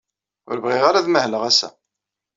Ur bɣiɣ ara ad mahleɣ ass-a.